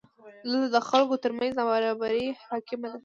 دلته د خلکو ترمنځ نابرابري حاکمه ده.